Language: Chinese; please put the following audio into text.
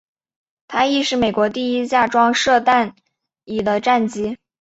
它亦是美国第一架装设弹射椅的战机。